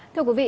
thưa quý vị